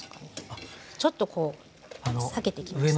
ちょっとこう裂けてきましたよね。